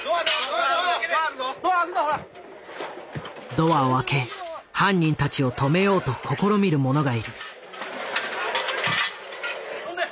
ドアをあけ犯人たちを止めようと試みる者がいる。